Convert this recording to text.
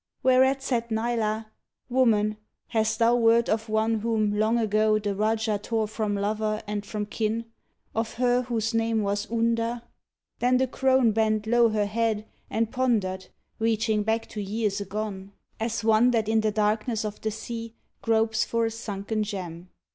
Whereat said Nila: "Woman, hast thou word Of one whom, long ago, the Rajah tore From lover and from kin — of her whose name Was Unda*?" Then the crone bent low her head And pondered, reaching back to years agone, loo JUS'TICE As one that in the darkness of the sea Gropes for a sunken gem.